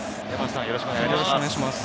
よろしくお願いします。